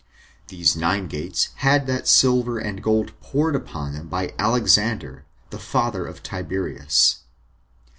These nine gates had that silver and gold poured upon them by Alexander, the father of Tiberius.